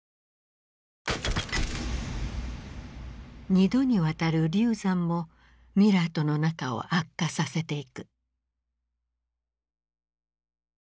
２度にわたる流産もミラーとの仲を悪化させていく。